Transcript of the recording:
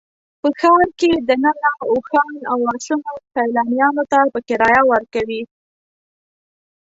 په ښار کې دننه اوښان او اسونه سیلانیانو ته په کرایه ورکوي.